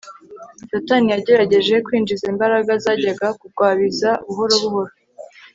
satani yagerageje kwinjiza imbaraga zajyaga kugwabiza buhoro buhoro